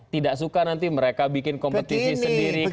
tidak suka nanti mereka bikin kompetisi sendiri